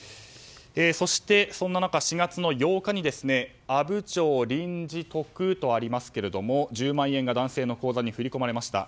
そして、そんな中、４月８日に「アブチョウリンジトク」とありますが１０万円が男性の口座に振り込まれました。